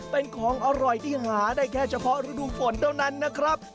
เป็นของอร่อยที่หาได้แค่เฉพาะฤดูฝนเท่านั้นนะครับ